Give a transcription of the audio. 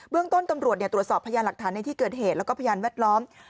เรื่องต้นตำรวจตรวจสอบพยานหลักฐานในที่เกิดเหตุแล้วก็พยานแวดล้อม